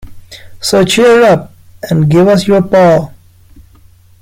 So cheer up, and give us your paw.